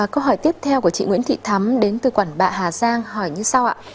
câu hỏi tiếp theo của chị nguyễn thị thắm đến từ quản bạ hà giang hỏi như sau ạ